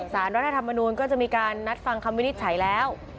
สารรัฐธรรมนูลก็จะมีการนัดฟังคำวินิจฉัยแล้ว